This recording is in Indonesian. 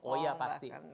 oh ya pasti